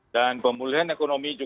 dan pemulihan ekonomi juga harus